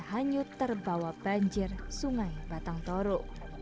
hanyut terbawa banjir sungai batang toru